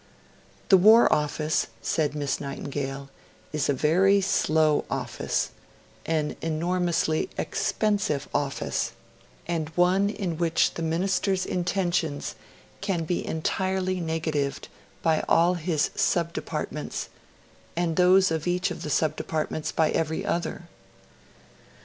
'The War Office,' said Miss Nightingale, 'is a very slow office, an enormously expensive office, and one in which the Minister's intentions can be entirely negated by all his sub departments, and those of each of the sub departments by every other.'